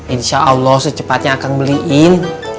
insya allah secepatnya akan beliin